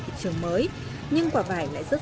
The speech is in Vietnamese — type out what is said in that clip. thị trường mới nhưng quả vải lại rớt